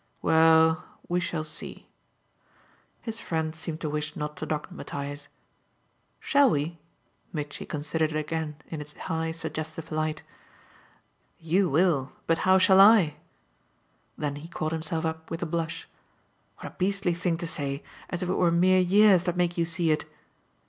"Well, we shall see." His friend seemed to wish not to dogmatise. "SHALL we?" Mitchy considered it again in its high suggestive light. "You will but how shall I?" Then he caught himself up with a blush. "What a beastly thing to say as if it were mere years that make you see it!"